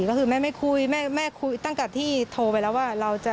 ก็คือแม่ไม่คุยแม่คุยตั้งแต่ที่โทรไปแล้วว่าเราจะ